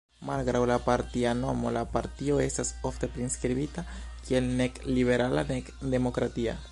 Malgraŭ la partia nomo, la partio estas ofte priskribita kiel "nek liberala nek demokratia.